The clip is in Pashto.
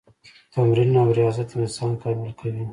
تمرین او ریاضت انسان کامل کوي.